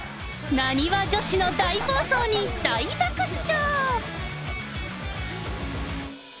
なにわ女子の大暴走に、大爆笑。